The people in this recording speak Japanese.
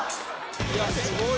いやすごいわ。